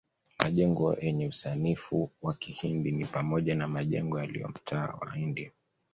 Majengo yenye usanifu wa kihindi ni pamoja na majengo yaliyo mtaa wa India